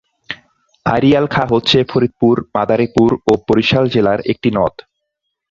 আড়িয়াল খাঁ হচ্ছে ফরিদপুর, মাদারীপুর ও বরিশাল জেলার একটি নদ।